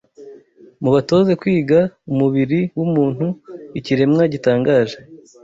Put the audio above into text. Mubatoze kwiga umubiri w’umuntu, ikiremwa gitangaje